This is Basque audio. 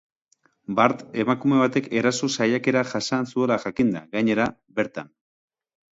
Bart emakume batek eraso saiakera jasan zuela jakin da, gainera, bertan.